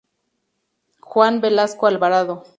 Juan Velasco Alvarado.